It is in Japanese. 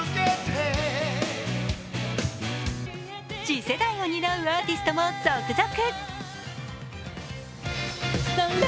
次世代を担うアーティストも続々。